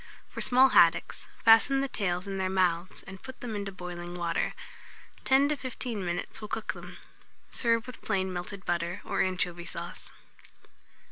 For small haddocks, fasten the tails in their mouths, and put them into boiling water. 10 to 15 minutes will cook them. Serve with plain melted butter, or anchovy sauce.